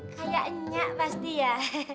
kayak enyak pasti ya